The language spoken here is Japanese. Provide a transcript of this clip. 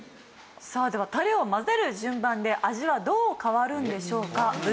さあではタレを混ぜる順番で味はどう変わるんでしょうか？